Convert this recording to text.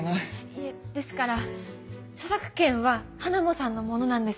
いえですから著作権はハナモさんのものなんです。